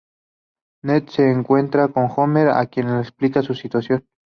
Ned se encuentra con Homer, a quien explica su situación.